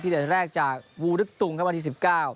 พิเศษแรกจากวูรึกตุ๋งมาที๑๙